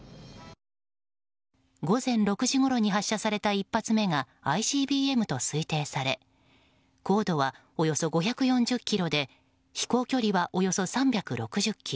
午前６時ごろに発射された１発目がＩＣＢＭと推定され高度はおよそ５４０ｋｍで飛行距離は、およそ３６０ｋｍ。